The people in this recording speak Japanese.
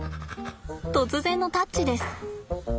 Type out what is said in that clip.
突然のタッチです。